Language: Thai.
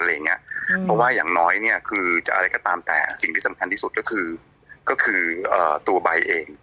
เพราะว่าอย่างน้อยเนี่ยคือจะอะไรก็ตามแต่สิ่งที่สำคัญที่สุดก็คือก็คือตัวใบเอง